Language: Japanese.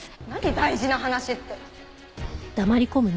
大事な話って。